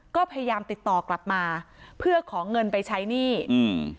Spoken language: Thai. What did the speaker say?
ก็พยายามติดต่อกลับมาเพื่อขอเงินไปใช้หนี้อืม